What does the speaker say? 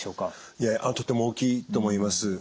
いやとても大きいと思います。